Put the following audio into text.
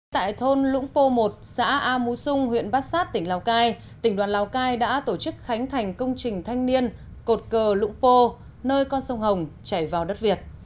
tại thôn lũng pô một xã a mú xung huyện bát sát tỉnh lào cai tỉnh đoàn lào cai đã tổ chức khánh thành công trình thanh niên cột cờ lũng pô nơi con sông hồng chảy vào đất việt